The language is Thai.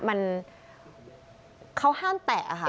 มันเขาห้ามแตะ